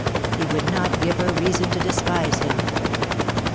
He would not give her reason to despise him.